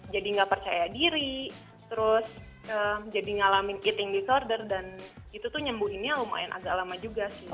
jadi gak percaya diri terus jadi ngalamin eating disorder dan itu tuh nyembuhinnya lumayan agak lama juga sih